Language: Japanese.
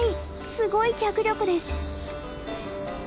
すごい脚力です！